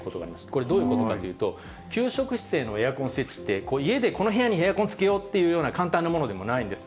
これ、どういうことかというと、給食室へのエアコン設置というのは家で、この部屋にエアコンつけようっていうような簡単なものでもないんです。